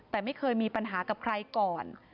แต่ไม่เคยมีปัญหากับใครก่อน